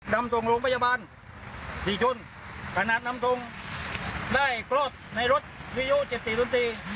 นำตรงลงพยาบาลถีชุนคณะนำตรงได้โคลดในรถวิอยู๗๔๐๓